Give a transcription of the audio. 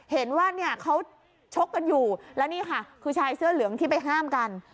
เห็นว่าเนี่ยเขาชกกันอยู่แล้วนี่ค่ะคือชายเสื้อเหลืองที่ไปห้ามกัน